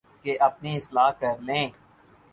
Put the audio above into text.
کہ اپنی اصلاح کر لیں